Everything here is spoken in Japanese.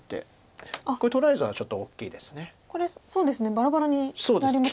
バラバラになりますね。